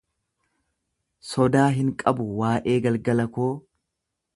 Sodaa hin qabu waa'ee galgalaa koo